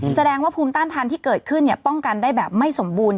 แสดงว่าภูมิต้านทานที่เกิดขึ้นป้องกันได้แบบไม่สมบูรณ